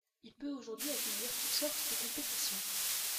Il peut aujourd'hui accueillir toutes sortes de compétitions.